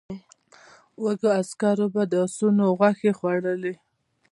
وږو عسکرو به د آسونو غوښې خوړلې.